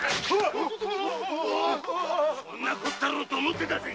こんなこったろうと思ったぜ。